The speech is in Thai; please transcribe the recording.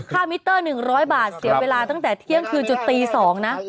มิเตอร์๑๐๐บาทเสียเวลาตั้งแต่เที่ยงคืนจนตี๒นะ